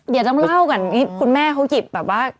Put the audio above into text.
เดี๋ยวจะเล่ากันคุณแม่เขากลิบแบบว่า